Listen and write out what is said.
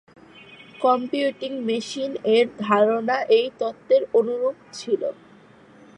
Computing মেশিন-এর ধারণা এই তত্ত্বের অনুরুপ ছিল।